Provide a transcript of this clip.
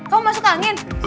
kamu masuk angin